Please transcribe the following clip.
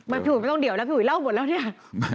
พี่อุ๋ยไม่ต้องเดี่ยวแล้วพี่อุ๋ยเล่าหมดแล้วเนี่ย